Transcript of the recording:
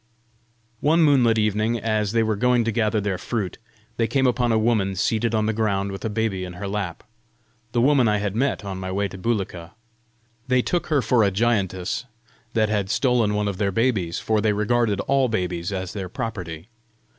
One moonlit evening, as they were going to gather their fruit, they came upon a woman seated on the ground with a baby in her lap the woman I had met on my way to Bulika. They took her for a giantess that had stolen one of their babies, for they regarded all babies as their property.